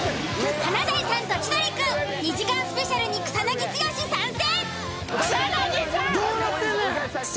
「華大さんと千鳥くん」２時間スペシャルに草なぎ剛参戦。